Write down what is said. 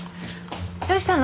どうしたの？